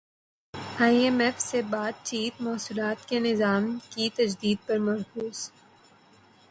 ئی M F سے بات چیت محصولات کے نظام کی تجدید پر مرکوز